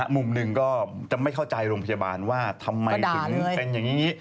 มุมหนึ่งก็จะไม่เข้าใจโรงพยาบาลว่าทำไมถึงเป็นอย่างนี้